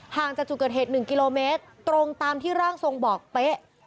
ห่างจากจุดเกิดเหตุ๑กิโลเมตรตรงตามที่ร่างทรงบอกเป๊ะ